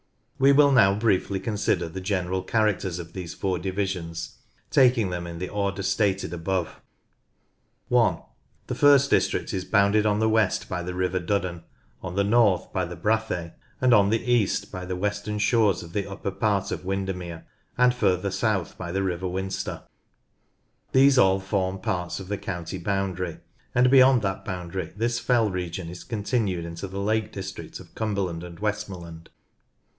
We will now briefly consider the general characters of these four divisions, taking them in the order stated above. (1) The first district is bounded on the west by the m. n. l. 3 34 NORTH LANCASHIRE river Duddon, on the north by the Brathay, and on the east by the western shores of the upper part of Winder mere, and further south by the river Winster. These all form parts of the county boundary, and beyond that boundary this fell region is continued into the Lake District of Cumberland and Westmorland.